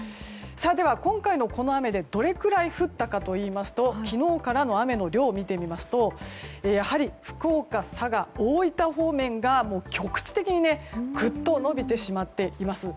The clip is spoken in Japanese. では、今回の雨でどれくらい降ったかといいますと昨日からの雨の量を見てみますとやはり福岡、佐賀、大分方面が局地的にグッと伸びています。